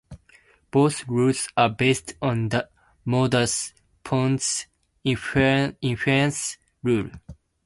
Both rules are based on the modus ponens inference rule.